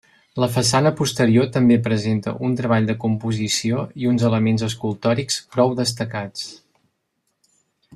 La façana posterior també presenta un treball de composició i uns elements escultòrics prou destacats.